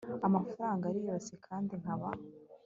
amafaranga ari yose kandi nkaba